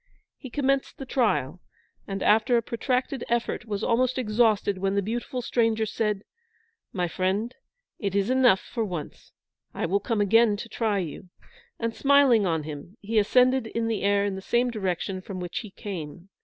He commenced the trial, and after a protracted effort was almost exhausted when the beautiful stranger said, "My friend, it is enough for once; I will come again to try you"; and, smiling on him, he ascended in the air in the same direction from which he came.